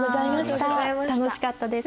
楽しかったです。